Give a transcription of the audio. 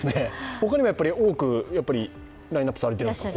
他にもやっぱり多くラインナップされているんですか？